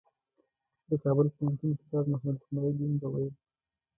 د کابل پوهنتون استاد محمد اسمعیل یون به ویل.